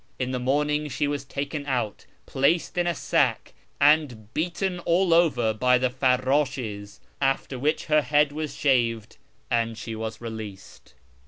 In the morning she was taken out, placed in a sack, and beaten all over by the farrdshes, after which her head was shaved, and she was released."